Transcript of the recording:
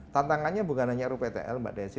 tantangannya bukan hanya ru ptl mbak desy